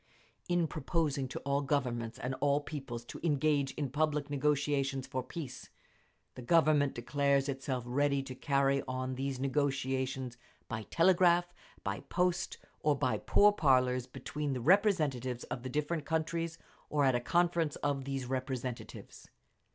In proposing to all Governments and all peoples to engage in public negotiations for peace, the Government declares itself ready to carry on these negotiations by telegraph, by post, or by pourparlers between the representatives of the different countries, or at a conference of these representatives.